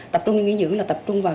tập trung đi nghỉ dưỡng là tập trung vào